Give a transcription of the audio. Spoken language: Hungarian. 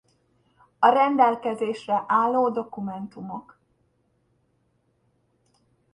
A rendelkezésre álló dokumentumok.